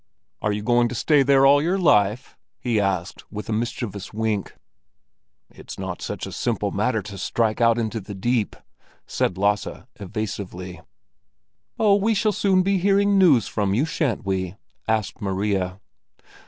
"Are you going to stay there all your life?" he asked, with a mischievous wink. "It's not such a simple matter to strike out into the deep!" said Lasse evasively. "Oh, we shall soon be hearing news from you, shan't we?" asked Maria.